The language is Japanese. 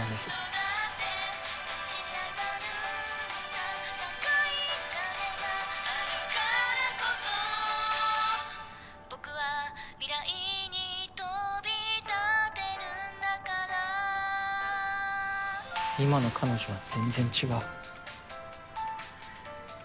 何度だって立ち上がるんだ高い壁があるからこそ僕は未来に飛び立てるんだから今の彼女は全然違う。